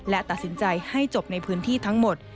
และตัดสินใจให้จบในพื้นที่ทั้งหมด